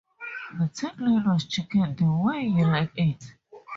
The tag line was Chicken the way you like it.